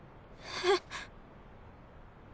えっ。